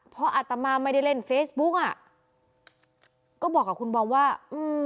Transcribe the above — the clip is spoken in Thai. พออาตมาไม่ได้เล่นเฟซบุ๊กอ่ะก็บอกกับคุณบอมว่าอืม